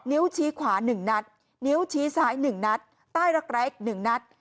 นิ้วชี้ขวา๑นัตริมนิ้วชี้ซ้าย๑นัตริมใต้รักแรก๑นัตริม